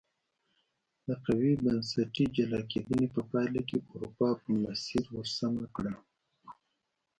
د قوي بنسټي جلا کېدنې په پایله کې اروپا په مسیر ور سمه کړه.